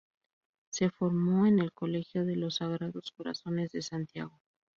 Se formó en el Colegio de los Sagrados Corazones de Santiago.